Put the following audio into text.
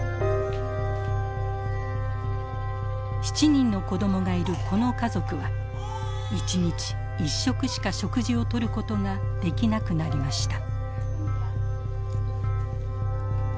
７人の子どもがいるこの家族は一日１食しか食事をとることができなくなりました。